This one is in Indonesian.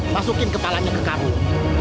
masukin kepalanya ke karung